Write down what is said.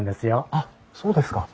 あっそうですか。